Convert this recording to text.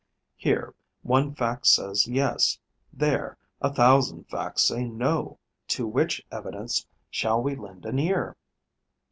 Here, one fact says yes; there, a thousand facts say no. To which evidence shall we lend an ear?